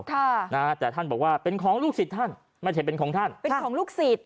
ค่ะนะฮะแต่ท่านบอกว่าเป็นของลูกศิษย์ท่านไม่ใช่เป็นของท่านเป็นของลูกศิษย